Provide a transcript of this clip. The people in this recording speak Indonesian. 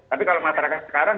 tapi kalau masyarakat sekarang